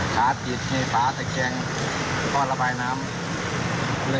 แกได้รับบัตรเจ็บอะไรบ้าง